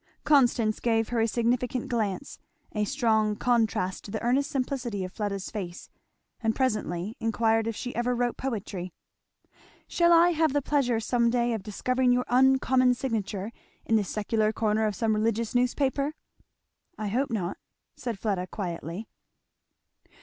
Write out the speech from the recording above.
Constance gave her a significant glance, a strong contrast to the earnest simplicity of Fleda's face, and presently inquired if she ever wrote poetry. "Shall I have the pleasure some day of discovering your uncommon signature in the secular corner of some religious newspaper?" "I hope not," said Fleda quietly.